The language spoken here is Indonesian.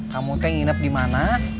kamu nginep di mana